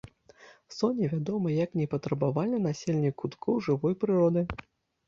Соня вядома як непатрабавальны насельнік куткоў жывой прыроды.